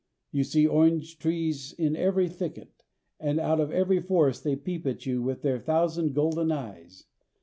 You see orange trees in every thicket, and out of every forest they peep at you with their thousand golden eyes.